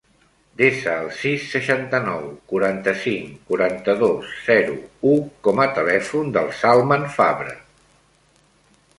Desa el sis, seixanta-nou, quaranta-cinc, quaranta-dos, zero, u com a telèfon del Salman Fabre.